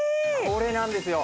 これなんですよ。